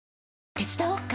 手伝おっか？